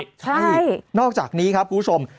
ใช่นอกจากนี้ครับคุณผู้ชม